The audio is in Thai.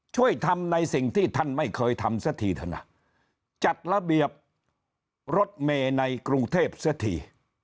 ช่วยทำในสิ่งที่ท่านไม่เคยทำเสียทีเถอะนะจัดระเบียบรถเมย์ในกรุงเทพเสียที